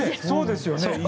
そうですよね。